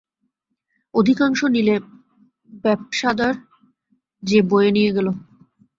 অধিকাংশ নিলে ব্যবসাদার, যে বয়ে নিয়ে গেল।